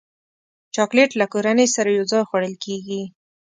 چاکلېټ له کورنۍ سره یوځای خوړل کېږي.